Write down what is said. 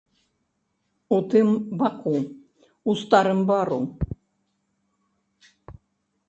У тым баку, ў старым бару.